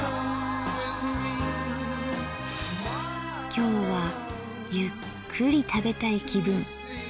今日はゆっくり食べたい気分。